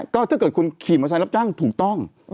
ก็ถ้าเกิดคุณขี่มอเซลรับจ้างถูกต้อง